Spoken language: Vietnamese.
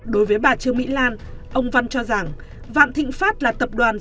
đối với bà trương mỹ lan ông văn cho rằng vạn thịnh pháp là tập đoàn